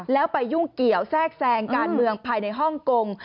แล้วไปยุ่งเกี่ยวแทรกแซงการเมืองภายในฮ่องกง